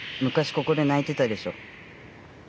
ここでないてたでしょ。